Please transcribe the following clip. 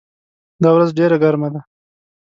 دا ورځ ډېره ګرمه ده.